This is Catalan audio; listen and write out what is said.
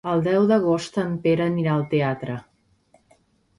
El deu d'agost en Pere anirà al teatre.